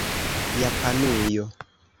japanujo